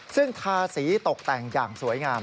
ซึ่งทาสีตกแต่งอย่างสวยงาม